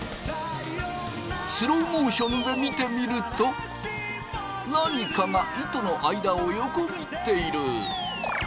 スローモーションで見てみると何かが糸の間を横切っている。